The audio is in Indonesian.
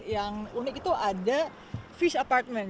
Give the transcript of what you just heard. yang unik itu ada fish apartment